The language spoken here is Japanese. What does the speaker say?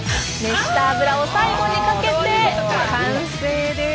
熱した油を最後にかけて完成です。